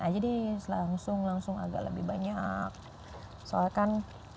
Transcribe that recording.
kayak adonan lembut aja gitu masukin aja di langsung langsung agak lebih banyak soal kan